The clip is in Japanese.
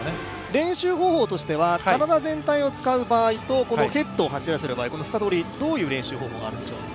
練習方法としては、体全体を使う場合とヘッドを走らせる場合、２通り、どういう練習があるんですか。